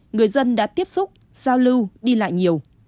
người dân đã tiếp xúc giao lưu đi lại nhiều